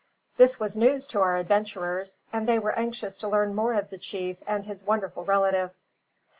This was news to our adventurers, and they were anxious to learn more of the chief and his wonderful relative.